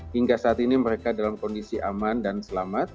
hingga saat ini mereka dalam kondisi aman dan selamat